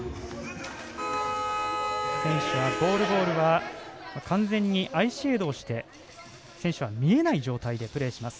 選手はゴールボールは完全にアイシェードをして選手は見えない状態でプレーします。